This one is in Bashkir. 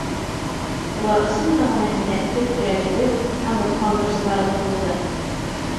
Улар ысын мәғәнәһендә төп терәгебеҙ һәм рухландырыусыларыбыҙ булды.